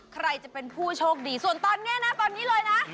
ใครจะเป็นผู้โชคดีส่วนตอนนี้นะตอนนี้เลยนะ